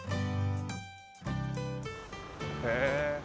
へえ。